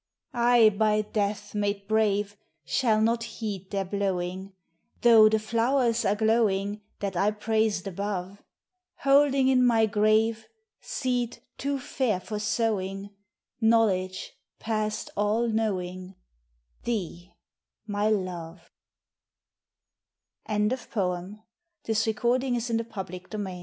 I by death made brave Shall not heed their blowing, Though the flowers are glowing That I praised above ; Holding in my grave Seed too fair for sowing, Knowledge past all knowing, Thee, my love I 77 EPITHALAMIUM THESE are his years, he will pos